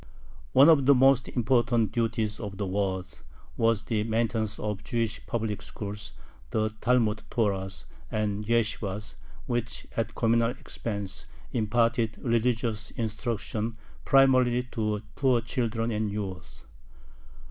One of the most important duties of the Waads was the maintenance of Jewish public schools, the Talmud Torahs and yeshibahs, which at communal expense imparted religious instruction primarily to poor children and youths.